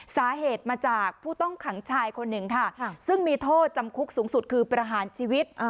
สาเหตุมาจากผู้ต้องขังชายคนหนึ่งค่ะซึ่งมีโทษจำคุกสูงสุดคือประหารชีวิต